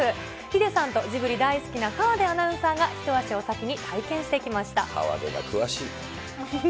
ヒデさんとジブリ大好きな河出アナウンサーが、一足お先に体験し河出が詳しい。